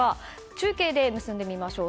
中継で結んでみましょう。